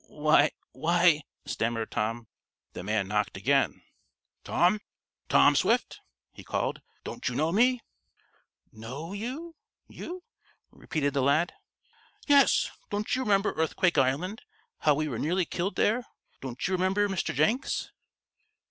"Why why " stammered Tom. The man knocked again. "Tom Tom Swift!" he called. "Don't you know me?" "Know you you?" repeated the lad. "Yes don't you remember Earthquake Island how we were nearly killed there don't you remember Mr. Jenks?"